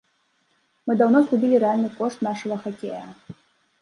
Мы даўно згубілі рэальны кошт нашага хакея.